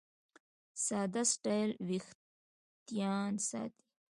ساده سټایل وېښتيان ساتي.